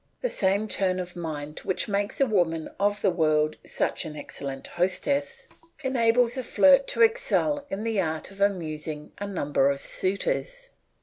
The same turn of mind which makes a woman of the world such an excellent hostess, enables a flirt to excel in the art of amusing a number of suitors.